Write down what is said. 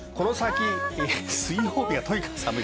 水曜日はとにかく寒い。